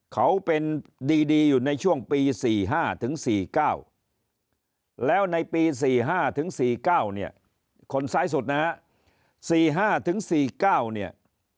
เขาเป็นดีอยู่ในช่วงปี๔๕๔๙แล้วในปี๔๕๔๙คนซ้ายสุดนะฮะ